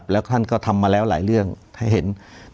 แล้วท่านก็ทำมาแล้วหลายเรื่องให้เห็น